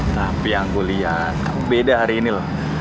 tapi yang gue liat beda hari ini lah